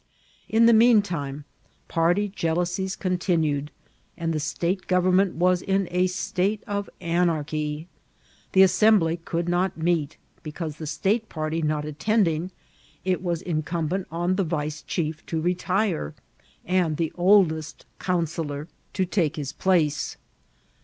In the mean time, party jealousies continued, and the state government was in a state ot anarchy. The Assembly could not meet, be cause, the state party not attending, it was incumbent on tiie vice^hief to retire, and the oldest counsellar to take VoL.1.— Hh 21 MS INCI0BHT8 or TKATBL. Ub place.